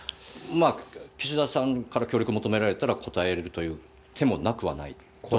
岸田さんから協力求められたら応えるという手もなくはない。